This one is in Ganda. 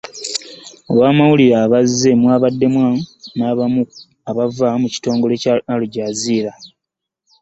Mu bamawulire abazze mw'abaddemu n'abo abava mu kitongole ekya Aljazeera.